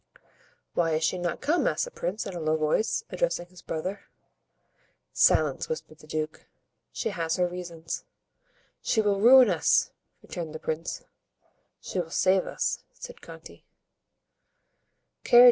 "Why is she not come?" asked the prince in a low voice, addressing his brother. "Silence," whispered the duke, "she has her reasons." "She will ruin us!" returned the prince. "She will save us," said Conti.